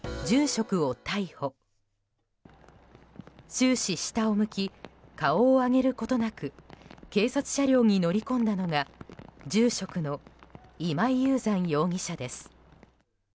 終始、下を向き顔を上げることなく警察車両に乗り込んだのが住職の今井雄山容疑者です。